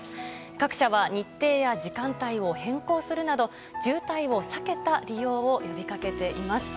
各社は日程や時間帯を変更するなど渋滞を避けた利用を呼びかけています。